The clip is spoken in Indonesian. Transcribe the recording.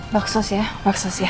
baksos ya baksos ya